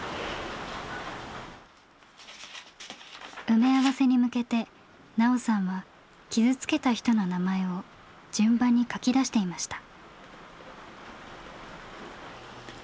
埋め合わせに向けてナオさんは傷つけた人の名前を順番に書き出していました。